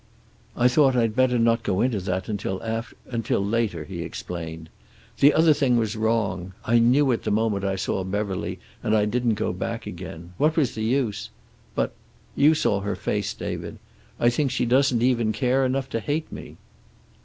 "I thought I'd better not go into that until after until later," he explained. "The other thing was wrong. I knew it the moment I saw Beverly and I didn't go back again. What was the use? But you saw her face, David. I think she doesn't even care enough to hate me."